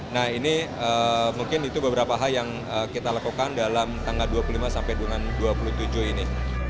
nah ini mungkin itu beberapa hal yang kita lakukan dalam tanggal dua puluh lima sampai dengan dua puluh tujuh ini